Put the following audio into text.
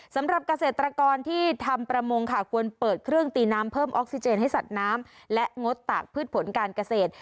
สำหรับเกษตรกรที่ทำประมงค่ะควรเปิดเครื่องตีน้ำเพิ่มออกซิเจนให้สัตว์น้ำและงดตากพืชผลการเกษตร